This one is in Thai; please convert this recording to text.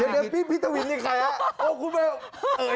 เดี๋ยวพี่ทวินนี่ใครครับ